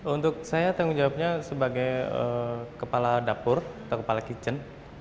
untuk saya tanggung jawabnya sebagai kepala dapur atau kepala kitchen